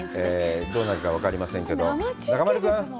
どうなるか分かりませんけど、中丸君。